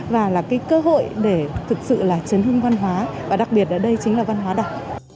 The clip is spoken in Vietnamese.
và là cái cơ hội để thực sự là chấn hương văn hóa và đặc biệt ở đây chính là văn hóa đọc